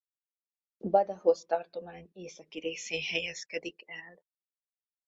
Badajoz tartomány északi részén helyezkedik el.